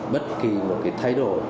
bất kỳ một cái thay đổi